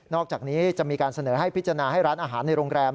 อกจากนี้จะมีการเสนอให้พิจารณาให้ร้านอาหารในโรงแรม